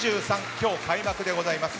今日開幕でございます。